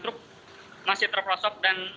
truk masih terprosok dan